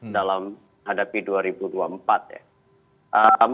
dalam hadapi dua ribu dua puluh empat ya